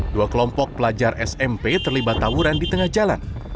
dua kelompok pelajar smp terlibat tawuran di tengah jalan